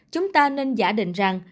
chúng ta nên giả định rằng